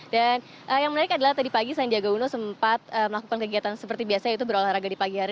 dan yang menarik adalah tadi pagi sandiaga uno sempat melakukan kegiatan seperti biasa yaitu berolahraga di pagi hari